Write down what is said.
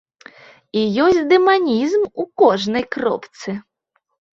І ёсць дэманізм у кожнай кропцы.